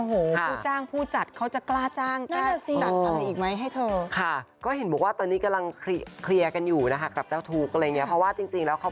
ผู้จ้างผู้จัดเขาจะกล้าจ้าง